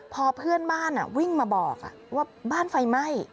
พอเพื่อนบ้านวิ่งมาบอกว่าบ้านไฟไหม้